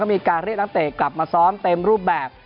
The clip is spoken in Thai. มีการเรียกนักเตะกลับมาซ้อมเต็มรูปแบบ